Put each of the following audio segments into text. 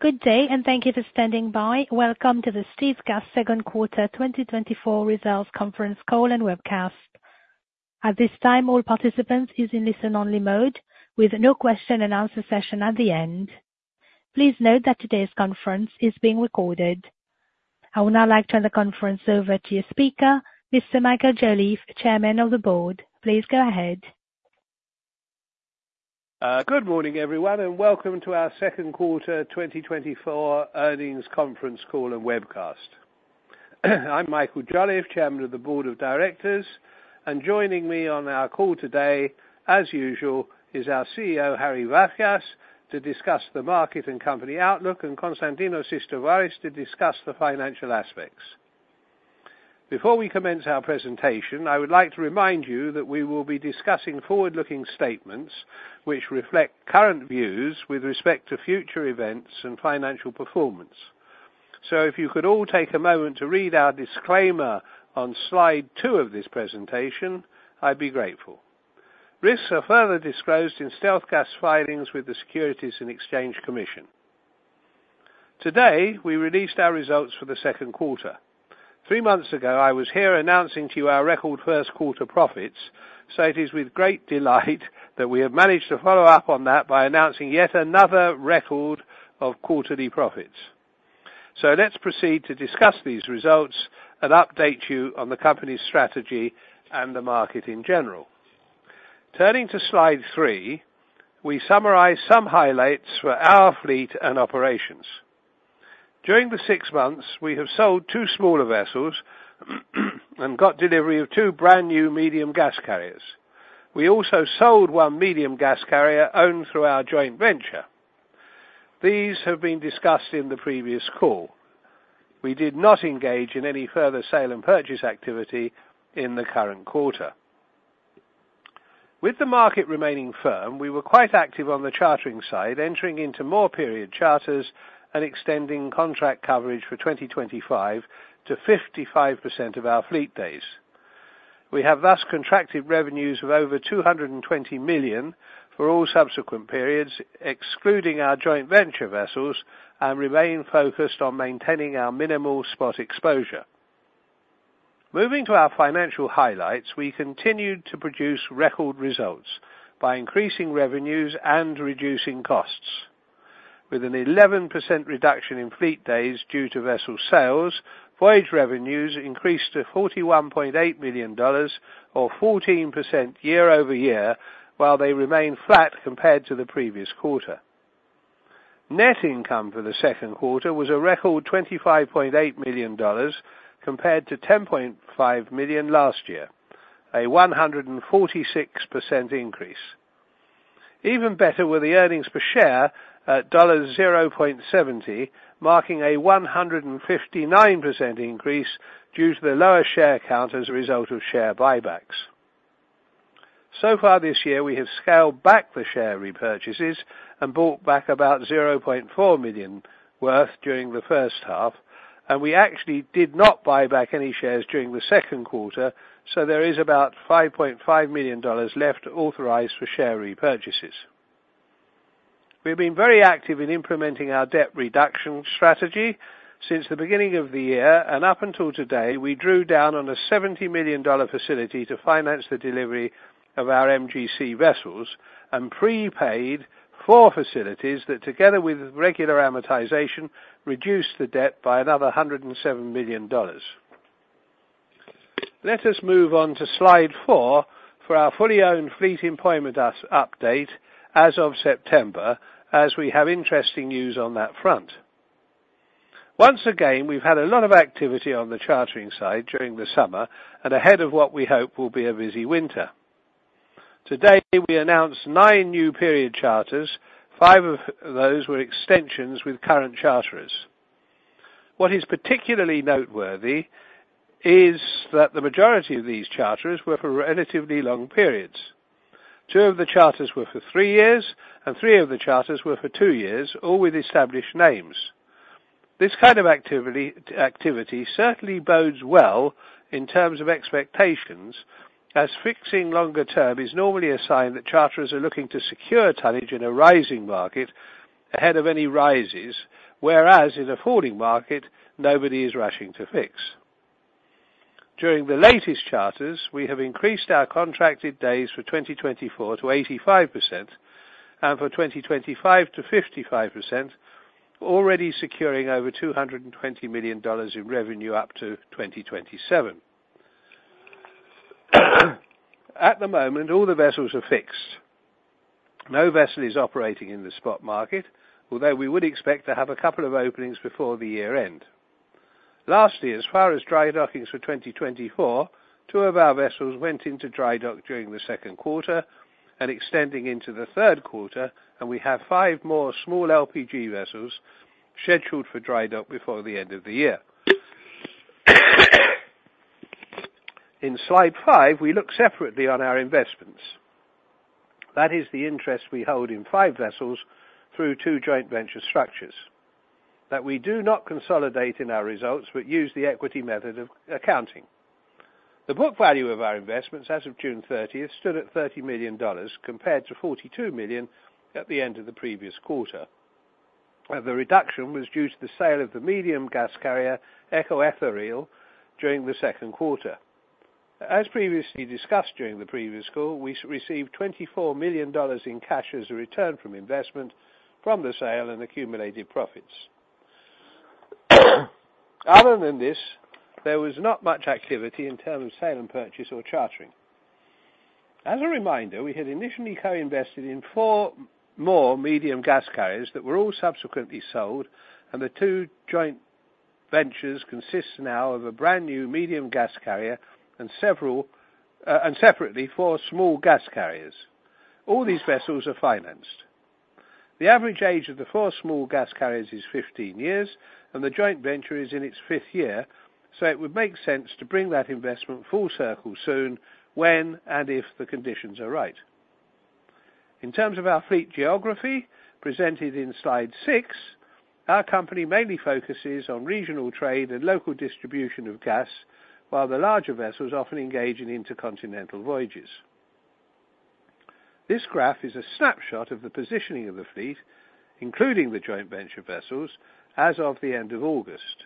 Good day, and thank you for standing by. Welcome to the StealthGas second quarter 2024 results conference call and webcast. At this time, all participants are in listen-only mode, with no question and answer session at the end. Please note that today's conference is being recorded. I would now like to turn the conference over to your speaker, Mr. Michael Jolliffe, Chairman of the Board. Please go ahead. Good morning, everyone, and welcome to our second quarter 2024 earnings conference call and webcast. I'm Michael Jolliffe, Chairman of the Board of Directors, and joining me on our call today, as usual, is our CEO, Harry Vafias, to discuss the market and company outlook, and Konstantinos Sistovaris to discuss the financial aspects. Before we commence our presentation, I would like to remind you that we will be discussing forward-looking statements which reflect current views with respect to future events and financial performance. So if you could all take a moment to read our disclaimer on slide two of this presentation, I'd be grateful. Risks are further disclosed in StealthGas filings with the Securities and Exchange Commission. Today, we released our results for the second quarter. Three months ago, I was here announcing to you our record first quarter profits, so it is with great delight that we have managed to follow up on that by announcing yet another record of quarterly profits. So let's proceed to discuss these results and update you on the company's strategy and the market in general. Turning to slide three, we summarize some highlights for our fleet and operations. During the six months, we have sold two smaller vessels and got delivery of two brand-new medium gas carriers. We also sold one medium gas carrier owned through our joint venture. These have been discussed in the previous call. We did not engage in any further sale and purchase activity in the current quarter. With the market remaining firm, we were quite active on the chartering side, entering into more period charters and extending contract coverage for 2025 to 55% of our fleet days. We have thus contracted revenues of over $220 million for all subsequent periods, excluding our joint venture vessels, and remain focused on maintaining our minimal spot exposure. Moving to our financial highlights, we continued to produce record results by increasing revenues and reducing costs. With an 11% reduction in fleet days due to vessel sales, voyage revenues increased to $41.8 million, or 14% year-over-year, while they remained flat compared to the previous quarter. Net income for the second quarter was a record $25.8 million compared to $10.5 million last year, a 146% increase. Even better were the earnings per share at $0.70, marking a 159% increase due to the lower share count as a result of share buybacks. So far this year, we have scaled back the share repurchases and bought back about $0.4 million worth during the first half, and we actually did not buy back any shares during the second quarter, so there is about $5.5 million left authorized for share repurchases. We've been very active in implementing our debt reduction strategy. Since the beginning of the year, and up until today, we drew down on a $70 million facility to finance the delivery of our MGC vessels and prepaid four facilities that, together with regular amortization, reduced the debt by another $107 million. Let us move on to Slide four for our fully owned fleet employment update as of September, as we have interesting news on that front. Once again, we've had a lot of activity on the chartering side during the summer and ahead of what we hope will be a busy winter. Today, we announced nine new period charters. Five of those were extensions with current charterers. What is particularly noteworthy is that the majority of these charters were for relatively long periods. Two of the charters were for three years, and three of the charters were for two years, all with established names. This kind of activity certainly bodes well in terms of expectations, as fixing longer term is normally a sign that charterers are looking to secure tonnage in a rising market ahead of any rises, whereas in a falling market, nobody is rushing to fix. During the latest charters, we have increased our contracted days for 2024 to 85% and for 2025 to 55%, already securing over $220 million in revenue up to 2027. At the moment, all the vessels are fixed. No vessel is operating in the spot market, although we would expect to have a couple of openings before the year end. Lastly, as far as dry dockings for 2024, two of our vessels went into dry dock during the second quarter and extending into the third quarter, and we have five more small LPG vessels scheduled for dry dock before the end of the year. In slide five, we look separately on our investments. That is the interest we hold in five vessels through two joint venture structures that we do not consolidate in our results, but use the equity method of accounting. The book value of our investments as of June thirtieth stood at $30 million, compared to $42 million at the end of the previous quarter, and the reduction was due to the sale of the medium gas carrier, Eco Ethereal, during the second quarter. As previously discussed during the previous call, we received $24 million in cash as a return from investment from the sale and accumulated profits. Other than this, there was not much activity in terms of sale and purchase or chartering. As a reminder, we had initially co-invested in four more medium gas carriers that were all subsequently sold, and the two joint ventures consist now of a brand new medium gas carrier and separately, four small gas carriers. All these vessels are financed. The average age of the four small gas carriers is 15 years, and the joint venture is in its fifth year, so it would make sense to bring that investment full circle soon, when and if the conditions are right. In terms of our fleet geography, presented in slide six, our company mainly focuses on regional trade and local distribution of gas, while the larger vessels often engage in intercontinental voyages. This graph is a snapshot of the positioning of the fleet, including the joint venture vessels, as of the end of August.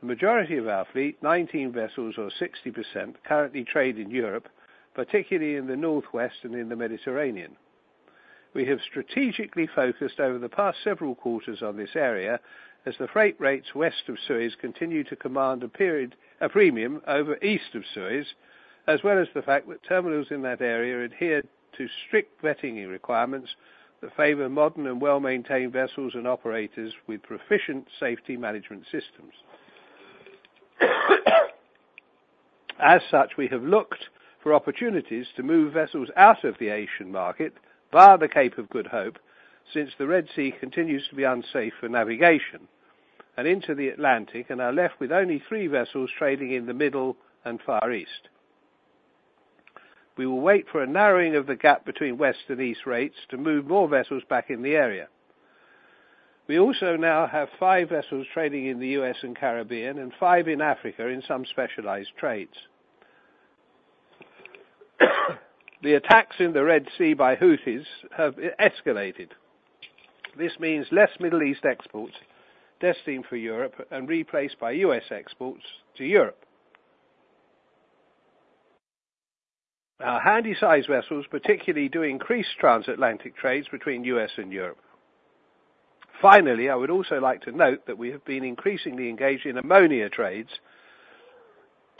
The majority of our fleet, nineteen vessels, or 60%, currently trade in Europe, particularly in the Northwest and in the Mediterranean. We have strategically focused over the past several quarters on this area, as the freight rates West of Suez continue to command a premium over East of Suez, as well as the fact that terminals in that area adhere to strict vetting requirements that favor modern and well-maintained vessels and operators with proficient safety management systems. As such, we have looked for opportunities to move vessels out of the Asian market via the Cape of Good Hope, since the Red Sea continues to be unsafe for navigation and into the Atlantic, and are left with only three vessels trading in the Middle and Far East. We will wait for a narrowing of the gap between West and East rates to move more vessels back in the area. We also now have five vessels trading in the U.S. and Caribbean and five in Africa in some specialized trades. The attacks in the Red Sea by Houthis have escalated. This means less Middle East exports destined for Europe and replaced by U.S. exports to Europe. Our handysize vessels, particularly, do increase transatlantic trades between U.S. and Europe. Finally, I would also like to note that we have been increasingly engaged in ammonia trades,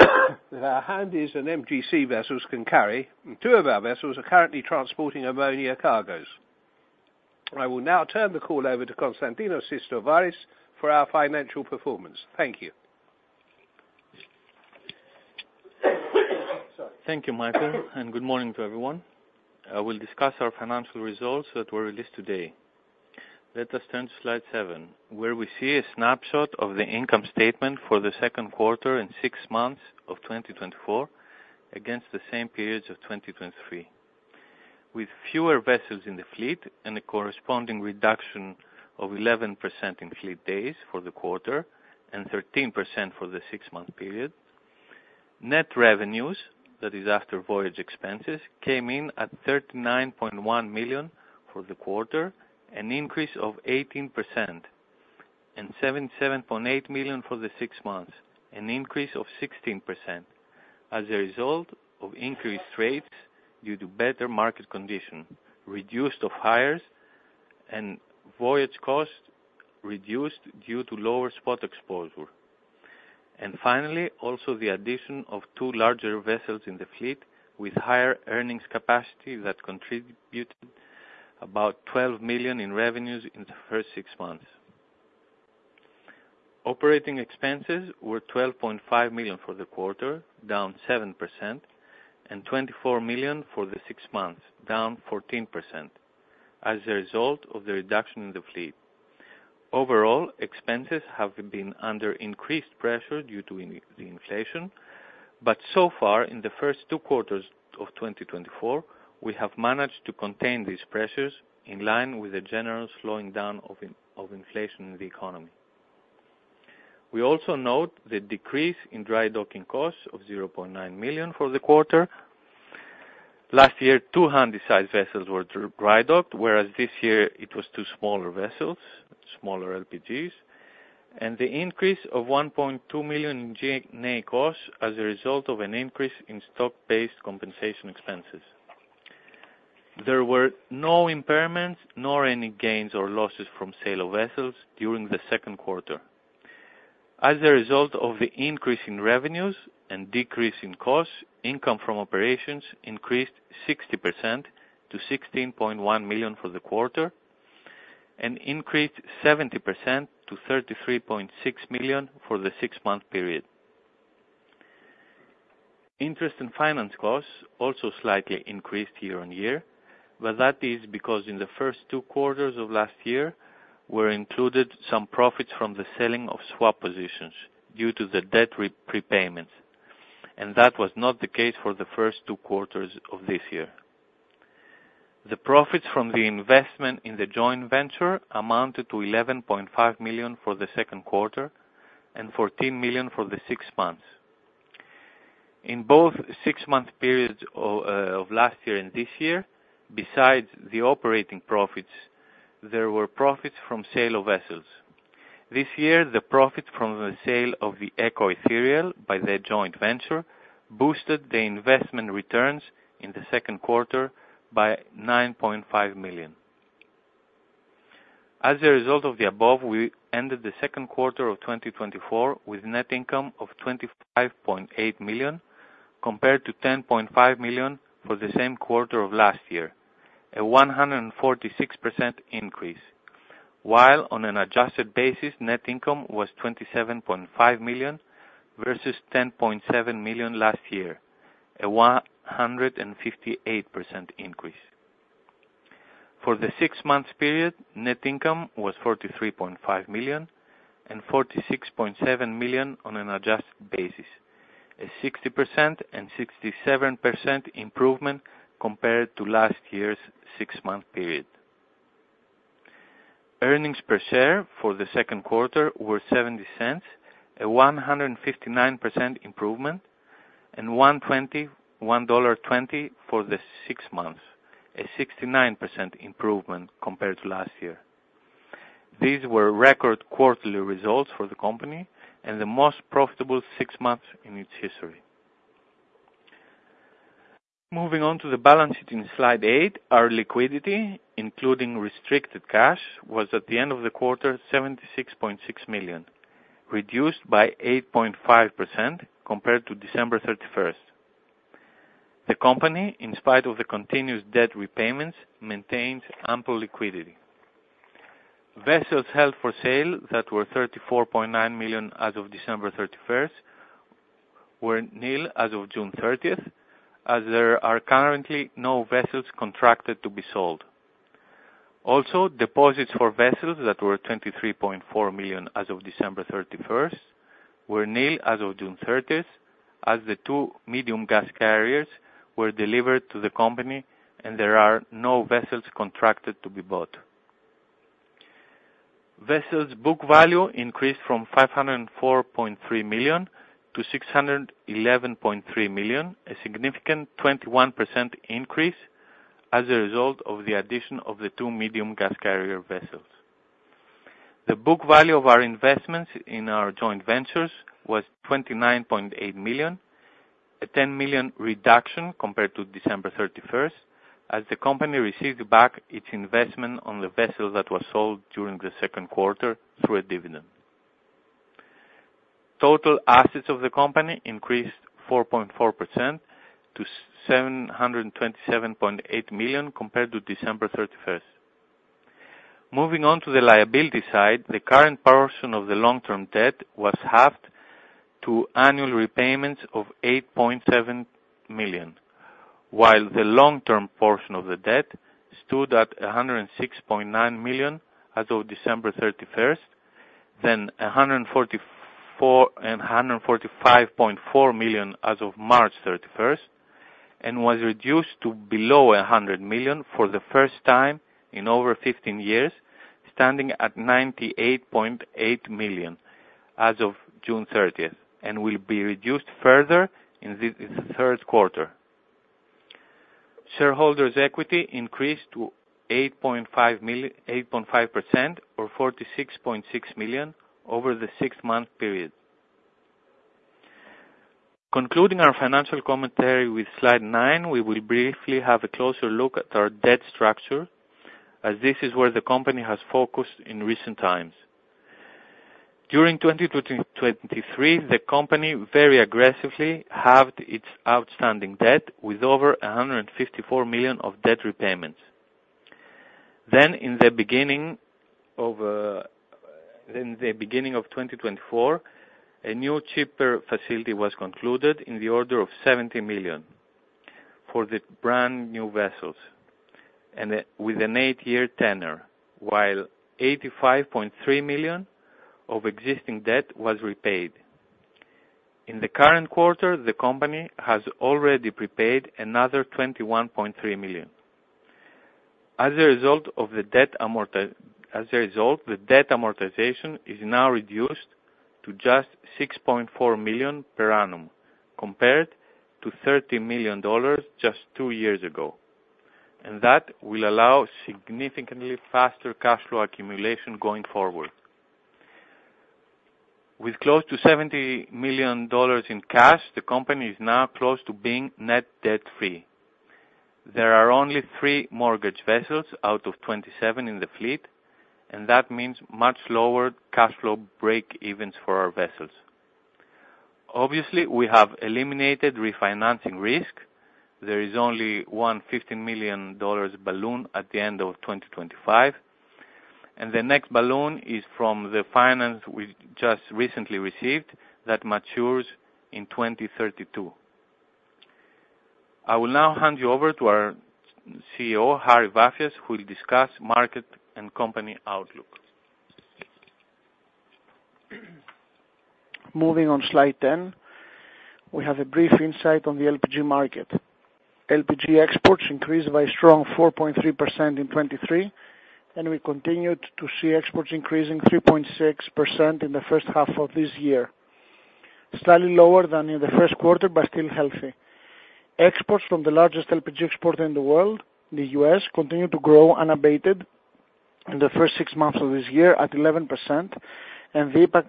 that our handysize and MGC vessels can carry. Two of our vessels are currently transporting ammonia cargoes. I will now turn the call over to Konstantinos Sistovaris for our financial performance. Thank you. Sorry. Thank you, Michael, and good morning to everyone. I will discuss our financial results that were released today. Let us turn to slide seven, where we see a snapshot of the income statement for the second quarter and six months of 2024, against the same periods of 2023. With fewer vessels in the fleet and a corresponding reduction of 11% in fleet days for the quarter and 13% for the six-month period, net revenues, that is, after voyage expenses, came in at $39.1 million for the quarter, an increase of 18%, and $77.8 million for the six months, an increase of 16%, as a result of increased rates due to better market conditions, reduced off-hires and voyage costs reduced due to lower spot exposure. Finally, also the addition of two larger vessels in the fleet with higher earnings capacity that contributed about $12 million in revenues in the first six months. Operating expenses were $12.5 million for the quarter, down 7%, and $24 million for the six months, down 14%, as a result of the reduction in the fleet. Overall, expenses have been under increased pressure due to inflation, but so far, in the first two quarters of 2024, we have managed to contain these pressures in line with the general slowing down of inflation in the economy. We also note the decrease in dry docking costs of $0.9 million for the quarter. Last year, two handysize vessels were dry docked, whereas this year it was two smaller vessels, smaller LPGs, and the increase of $1.2 million in G&A costs as a result of an increase in stock-based compensation expenses. There were no impairments nor any gains or losses from sale of vessels during the second quarter. As a result of the increase in revenues and decrease in costs, income from operations increased 60% to $16.1 million for the quarter, and increased 70% to $33.6 million for the six-month period. Interest and finance costs also slightly increased year on year, but that is because in the first two quarters of last year, were included some profits from the selling of swap positions due to the debt prepayments, and that was not the case for the first two quarters of this year. The profits from the investment in the joint venture amounted to $11.5 million for the second quarter and $14 million for the six months. In both six-month periods of last year and this year, besides the operating profits, there were profits from sale of vessels. This year, the profit from the sale of the Eco Ethereal by the joint venture boosted the investment returns in the second quarter by $9.5 million. As a result of the above, we ended the second quarter of 2024 with net income of $25.8 million, compared to $10.5 million for the same quarter of last year, a 146% increase, while on an adjusted basis, net income was $27.5 million versus $10.7 million last year, a 158% increase. For the six-month period, net income was $43.5 million and $46.7 million on an adjusted basis, a 60% and 67% improvement compared to last year's six-month period. Earnings per share for the second quarter were $0.70, a 159% improvement, and $1.20 for the six months, a 69% improvement compared to last year. These were record quarterly results for the company and the most profitable six months in its history. Moving on to the balance sheet in slide eight, our liquidity, including restricted cash, was at the end of the quarter $76.6 million, reduced by 8.5% compared to December 31st. The company, in spite of the continuous debt repayments, maintains ample liquidity. Vessels held for sale that were $34.9 million as of December 31st, were nil as of June 30th, as there are currently no vessels contracted to be sold. Also, deposits for vessels that were $23.4 million as of December 31st, were nil as of June 30th, as the two medium gas carriers were delivered to the company, and there are no vessels contracted to be bought. Vessels book value increased from $504.3 million to $611.3 million, a significant 21% increase as a result of the addition of the two medium gas carrier vessels. The book value of our investments in our joint ventures was $29.8 million, a $10 million reduction compared to December 31st, as the company received back its investment on the vessel that was sold during the second quarter through a dividend. Total assets of the company increased 4.4% to $727.8 million compared to December 31st. Moving on to the liability side, the current portion of the long-term debt was halved to annual repayments of $8.7 million, while the long-term portion of the debt stood at $106.9 million as of December 31st, then $144 and $145.4 million as of March 31st, and was reduced to below $100 million for the first time in over 15 years, standing at $98.8 million as of June 30th, and will be reduced further in this third quarter. Shareholders' equity increased to 8.5% or $46.6 million over the six-month period. Concluding our financial commentary with slide nine, we will briefly have a closer look at our debt structure, as this is where the company has focused in recent times. During 2023, the company very aggressively halved its outstanding debt with over $154 million of debt repayments. Then, in the beginning of, in the beginning of 2024, a new cheaper facility was concluded in the order of $70 million for the brand new vessels and with an eight-year tenor, while $85.3 million of existing debt was repaid. In the current quarter, the company has already prepaid another $21.3 million. As a result, the debt amortization is now reduced to just $6.4 million per annum, compared to $30 million just two years ago, and that will allow significantly faster cash flow accumulation going forward. With close to $70 million in cash, the company is now close to being net debt-free. There are only three mortgaged vessels out of 27 in the fleet, and that means much lower cash flow breakevens for our vessels. Obviously, we have eliminated refinancing risk. There is only $150 million balloon at the end of 2025, and the next balloon is from the financing we just recently received that matures in 2032. I will now hand you over to our CEO, Harry Vafias, who will discuss market and company outlook.... Moving on Slide 10, we have a brief insight on the LPG market. LPG exports increased by a strong 4.3% in 2023, and we continued to see exports increasing 3.6% in the first half of this year, slightly lower than in the first quarter, but still healthy. Exports from the largest LPG exporter in the world, the U.S., continue to grow unabated in the first six months of this year at 11%, and the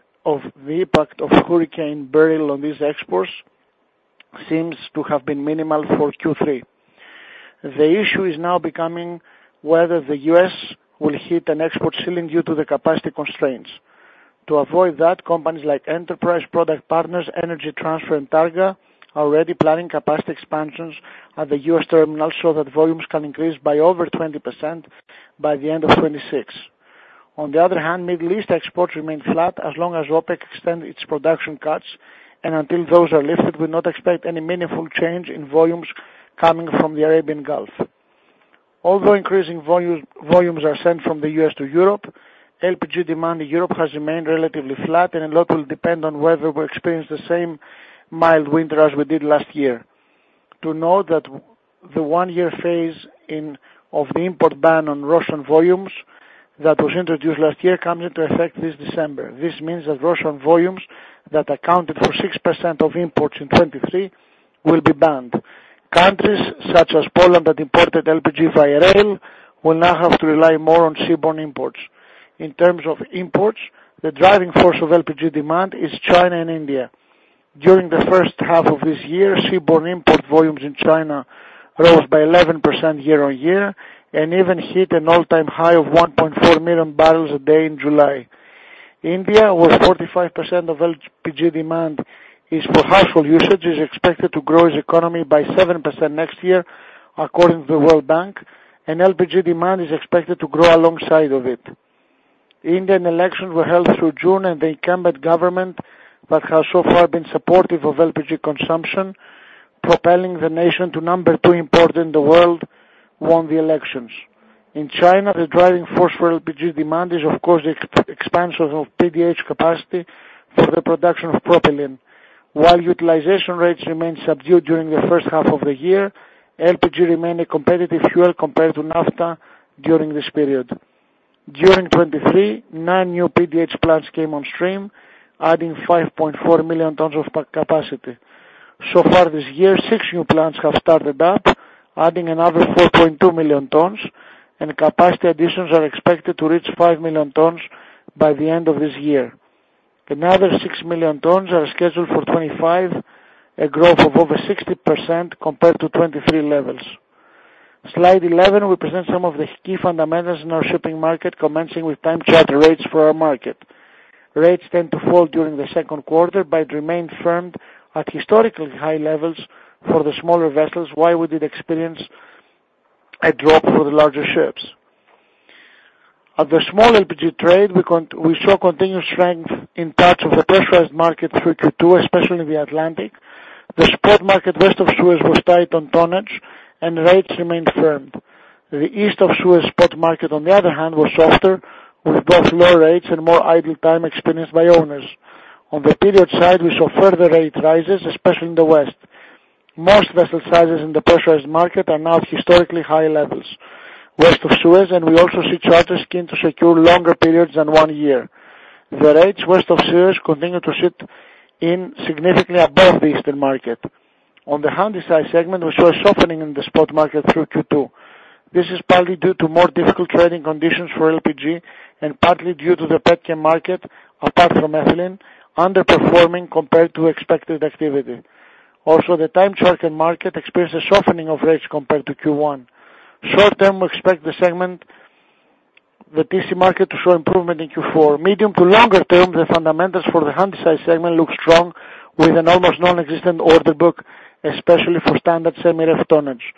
impact of Hurricane Beryl on these exports seems to have been minimal for Q3. The issue is now becoming whether the U.S. will hit an export ceiling due to the capacity constraints. To avoid that, companies like Enterprise Products Partners, Energy Transfer, and Targa are already planning capacity expansions at the U.S. terminal so that volumes can increase by over 20% by the end of 2026. On the other hand, Middle East exports remain flat as long as OPEC extends its production cuts, and until those are lifted, we not expect any meaningful change in volumes coming from the Arabian Gulf. Although increasing volumes are sent from the U.S. to Europe, LPG demand in Europe has remained relatively flat, and a lot will depend on whether we experience the same mild winter as we did last year. To note that the one-year phase-in of the import ban on Russian volumes that was introduced last year comes into effect this December. This means that Russian volumes that accounted for 6% of imports in 2023 will be banned. Countries such as Poland that imported LPG via rail will now have to rely more on seaborne imports. In terms of imports, the driving force of LPG demand is China and India. During the first half of this year, seaborne import volumes in China rose by 11% year on year and even hit an all-time high of 1.4 million barrels a day in July. India, where 45% of LPG demand is for household usage, is expected to grow its economy by 7% next year, according to The World Bank, and LPG demand is expected to grow alongside of it. Indian elections were held through June, and the incumbent government that has so far been supportive of LPG consumption, propelling the nation to number two importer in the world, won the elections. In China, the driving force for LPG demand is, of course, the expansion of PDH capacity for the production of propylene. While utilization rates remained subdued during the first half of the year, LPG remained a competitive fuel compared to naphtha during this period. During 2023, nine new PDH plants came on stream, adding 5.4 million tons of capacity. So far this year, six new plants have started up, adding another 4.2 million tons, and capacity additions are expected to reach 5 million tons by the end of this year. Another 6 million tons are scheduled for 2025, a growth of over 60% compared to 2023 levels. Slide 11 represent some of the key fundamentals in our shipping market, commencing with time charter rates for our market. Rates tend to fall during the second quarter, but remain firm at historically high levels for the smaller vessels, while we did experience a drop for the larger ships. At the small LPG trade, we saw continued strength in parts of the pressurized market through Q2, especially in the Atlantic. The spot market, West of Suez, was tight on tonnage and rates remained firm. The East of Suez spot market, on the other hand, was softer, with both lower rates and more idle time experienced by owners. On the period side, we saw further rate rises, especially in the West. Most vessel sizes in the pressurized market are now at historically high levels West of Suez, and we also see charters keen to secure longer periods than one year. The rates West of Suez continue to sit significantly above the Eastern market. On the handysize segment, we saw a softening in the spot market through Q2. This is partly due to more difficult trading conditions for LPG and partly due to the petchem market, apart from ethylene, underperforming compared to expected activity. Also, the time charter market experienced a softening of rates compared to Q1. Short term, we expect the segment, the TC market, to show improvement in Q4. Medium to longer term, the fundamentals for the handysize segment look strong, with an almost nonexistent order book, especially for standard semi-ref tonnage.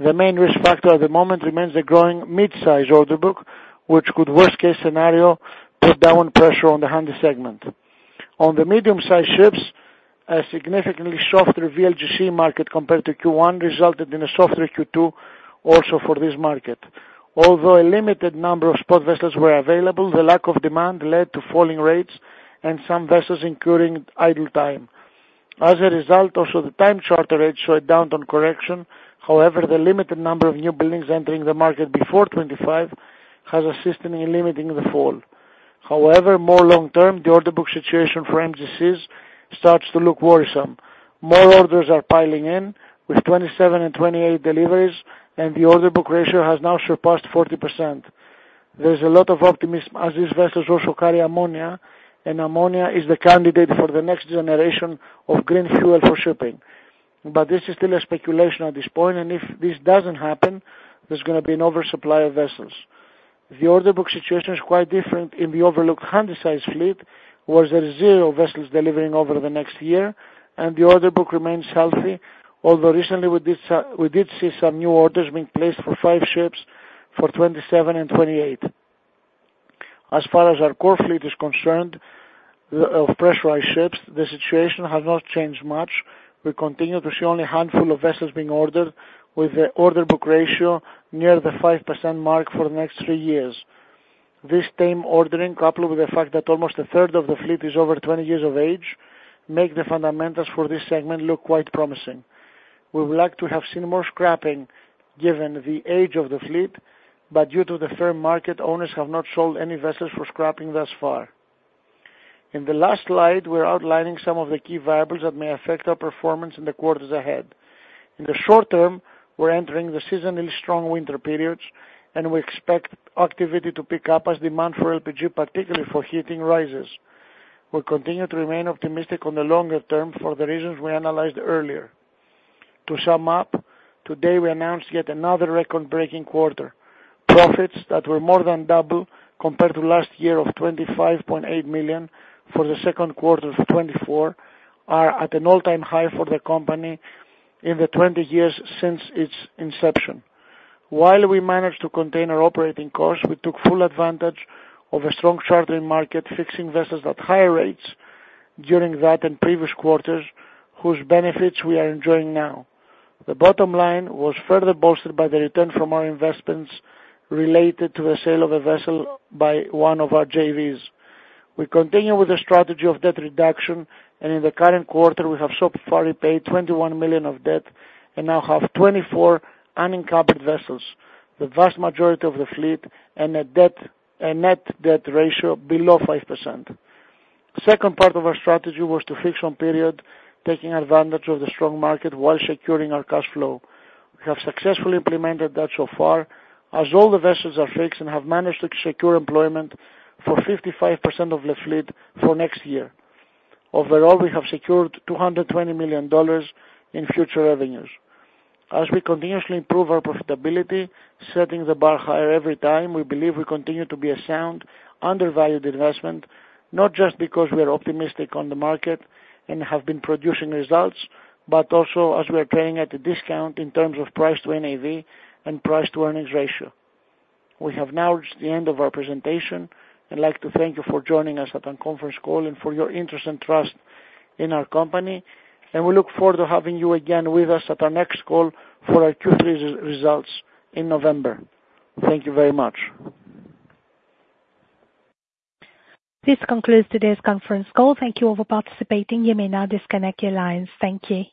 The main risk factor at the moment remains the growing mid-size order book, which could, worst case scenario, put down pressure on the handysize segment. On the medium-sized ships, a significantly softer VLGC market compared to Q1 resulted in a softer Q2 also for this market. Although a limited number of spot vessels were available, the lack of demand led to falling rates and some vessels incurring idle time. As a result, also, the time charter rates show a downturn correction. However, the limited number of new buildings entering the market before 2025 is assisting in limiting the fall. However, more long term, the order book situation for MGCs starts to look worrisome. More orders are piling in, with 2027 and 2028 deliveries, and the order book ratio has now surpassed 40%. There's a lot of optimism as these vessels also carry ammonia, and ammonia is the candidate for the next generation of green fuel for shipping. But this is still a speculation at this point, and if this doesn't happen, there's going to be an oversupply of vessels. The order book situation is quite different in the overlooked handysize fleet, where there are zero vessels delivering over the next year, and the order book remains healthy, although recently we did see some new orders being placed for five ships for 2027 and 2028. As far as our core fleet is concerned, the of pressurized ships, the situation has not changed much. We continue to see only a handful of vessels being ordered, with the order book ratio near the 5% mark for the next three years. This same ordering, coupled with the fact that almost a third of the fleet is over 20 years of age, make the fundamentals for this segment look quite promising. We would like to have seen more scrapping given the age of the fleet, but due to the fair market, owners have not sold any vessels for scrapping thus far. In the last slide, we are outlining some of the key variables that may affect our performance in the quarters ahead. In the short term, we're entering the seasonally strong winter periods, and we expect activity to pick up as demand for LPG, particularly for heating, rises. We continue to remain optimistic on the longer term for the reasons we analyzed earlier. To sum up, today we announced yet another record-breaking quarter. Profits that were more than double compared to last year of $25.8 million for the second quarter of 2024 are at an all-time high for the company in the twenty years since its inception. While we managed to contain our operating costs, we took full advantage of a strong chartering market, fixing vessels at higher rates during that and previous quarters, whose benefits we are enjoying now. The bottom line was further bolstered by the return from our investments related to the sale of a vessel by one of our JVs. We continue with the strategy of debt reduction, and in the current quarter, we have so far repaid $21 million of debt and now have 24 unencumbered vessels, the vast majority of the fleet, and a net debt ratio below 5%. Second part of our strategy was to fix on period, taking advantage of the strong market while securing our cash flow. We have successfully implemented that so far, as all the vessels are fixed and have managed to secure employment for 55% of the fleet for next year. Overall, we have secured $220 million in future revenues. As we continuously improve our profitability, setting the bar higher every time, we believe we continue to be a sound, undervalued investment, not just because we are optimistic on the market and have been producing results, but also as we are trading at a discount in terms of price to NAV and price to earnings ratio. We have now reached the end of our presentation. I'd like to thank you for joining us at our conference call and for your interest and trust in our company, and we look forward to having you again with us at our next call for our Q3 results in November. Thank you very much. This concludes today's conference call. Thank you all for participating. You may now disconnect your lines. Thank you.